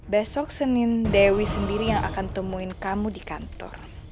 besok senin dewi sendiri yang akan temuin kamu di kantor